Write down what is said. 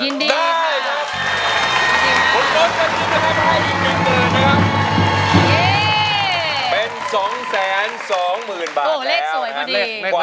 ยินดีครับค่ะเป็น๒๒๐๐๐๐บาทแล้วค่ะนะฮะเลขกว่า